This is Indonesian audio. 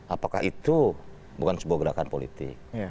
apakah itu bukan sebuah gerakan politik